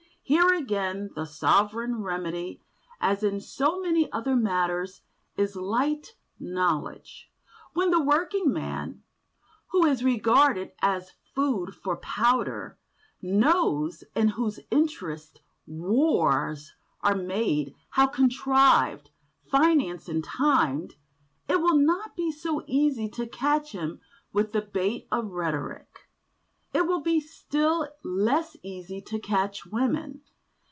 Here again the sovereign remedy, as in so many other matters, is light, knowledge. When the working man, who is regarded as food for powder, knows in whose interests wars are made, how contrived, financed, and timed, it will not be so easy to catch him with the bait of rhetoric. It will be still less easy to catch women.